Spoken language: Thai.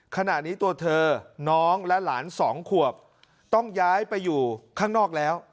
ขณะนี้ตัวเธอน้องและหลานสองขวบต้องย้ายไปอยู่ข้างนอกแล้ว